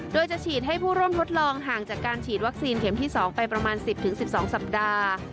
โดยจะฉีดให้ผู้ร่วมทดลองห่างจากการฉีดวัคซีนเข็มที่๒ไปประมาณ๑๐๑๒สัปดาห์